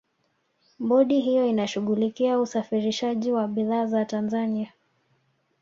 bodi hiyo inashughulikia usafirishaji wa bidhaa za tanzania